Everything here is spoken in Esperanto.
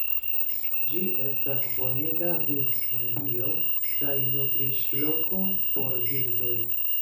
Ĝi estas bonega vivmedio kaj nutriĝloko por birdoj.